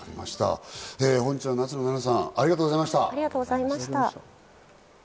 本日は夏野ななさん、ありがとうございました。